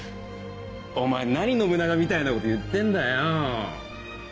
お前何信長みたいなこと言ってんだよ。